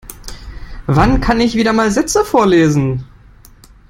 Wann kann ich wieder mal Sätze vorlesen.